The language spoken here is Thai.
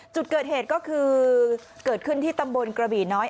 จุดเกิดเหตุก็คือเกิดขึ้นที่ตำบลกระบี่น้อย